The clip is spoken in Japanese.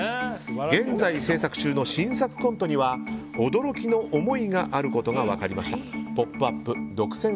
現在制作中の新作コントには驚きの思いがあることが分かりました。